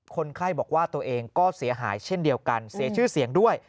คนไข้บอกว่าตัวเองก็เสียหายเช่นเดียวกันเสียชื่อเสียงด้วย